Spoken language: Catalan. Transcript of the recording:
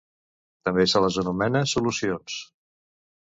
També se les anomena solucions.